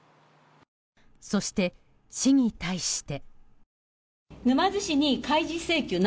そして、市に対して。